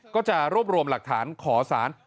ก็จะรวบรวมหลักฐานขอสาร